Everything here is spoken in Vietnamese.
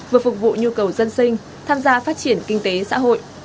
vừa phục vụ nhu cầu dân sinh tham gia phát triển kinh tế xã hội